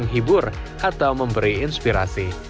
hibur atau memberi inspirasi